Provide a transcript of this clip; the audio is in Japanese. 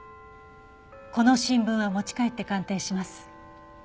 この新聞は持ち帰って鑑定します。